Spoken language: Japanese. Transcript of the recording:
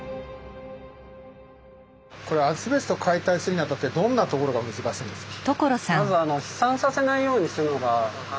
これアスベスト解体するにあたってどんなところが難しいんですか？